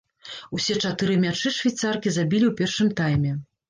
Усе чатыры мячы швейцаркі забілі ў першым тайме.